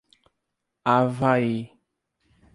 Avaí